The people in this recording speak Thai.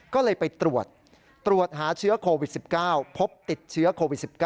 ก็เลยไปตรวจตรวจหาเชื้อโควิด๑๙พบติดเชื้อโควิด๑๙